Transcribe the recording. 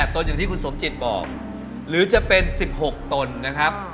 ตนอย่างที่คุณสมจิตบอกหรือจะเป็น๑๖ตนนะครับ